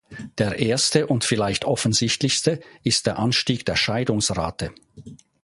Der erste und vielleicht offensichtlichste ist der Anstieg der Scheidungsrate.